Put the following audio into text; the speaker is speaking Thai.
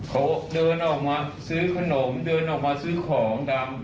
เขาเดินออกมาซื้อขนมเดินออกมาซื้อของดำ